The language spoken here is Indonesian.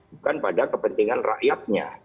bukan pada kepentingan rakyatnya